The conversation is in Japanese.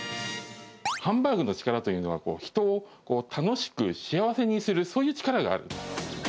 ハンバーグの力というのは、人を楽しく幸せにする、そういう力がある。